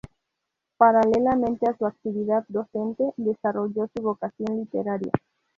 Paralelamente a su actividad docente, desarrolló su vocación literaria.